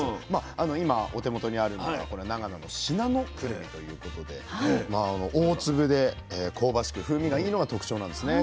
今お手元にあるのがこれ長野の信濃くるみということで大粒で香ばしく風味がいいのが特徴なんですね。